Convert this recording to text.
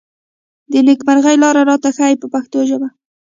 د نېکمرغۍ لارې راته ښيي په پښتو ژبه.